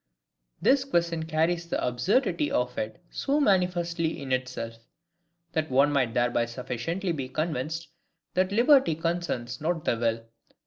This question carries the absurdity of it so manifestly in itself, that one might thereby sufficiently be convinced that liberty concerns not the will.